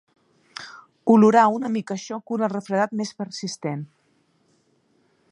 Olorar una mica això cura el refredat més persistent.